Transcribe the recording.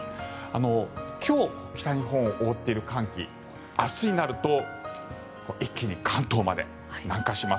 今日、北日本を覆っている寒気明日になると一気に関東まで南下します。